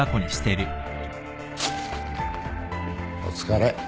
お疲れ。